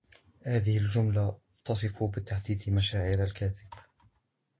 هذه الجملة تصف بالتحديد مشاعر الكاتب.